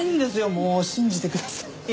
もう信じてください。